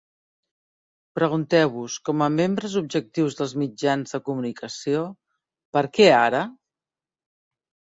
Pregunteu-vos, com a membres objectius dels mitjans de comunicació: "per què ara...?